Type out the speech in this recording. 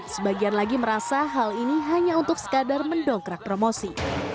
sebagian lagi merasa hal ini hanya untuk sekadar mendongkrak promosi